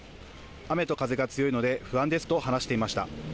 雨と風が強いので不安ですと話していました。